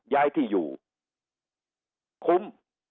ย้ายที่อยู่คุ้ม